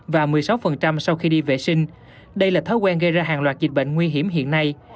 và một mươi sáu sau khi đi vệ sinh đây là thói quen gây ra hàng loạt dịch bệnh nguy hiểm hiện nay